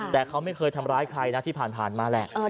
แต่เขาไม่เคยทำร้ายใครนะที่ผ่านมาแหละ